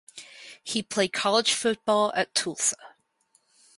He played college football at Tulsa.